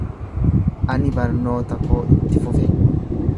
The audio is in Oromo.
Ani barnoota koo itti fufe.